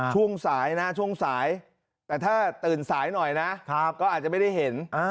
ช่วงสายนะช่วงสายแต่ถ้าตื่นสายหน่อยนะก็อาจจะไม่ได้เห็น